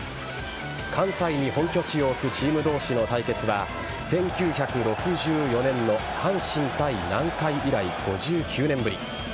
関西に本拠地を置くチーム同士の対決は１９６４年の阪神対南海以来５９年ぶり。